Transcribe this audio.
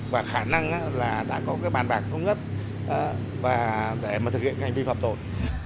và khả năng đã có bàn bạc thống nhất để thực hiện hành vi phạm tội